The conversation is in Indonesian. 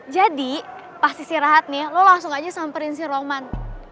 jadi pas istirahat nih lo langsung aja samperin si roman